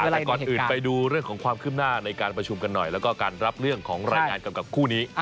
แต่ก่อนอื่นไปดูเรื่องของความขึ้นหน้าในการประชุมกันหน่อยแล้วก็การรับเรื่องของรายงานกำกับคู่นี้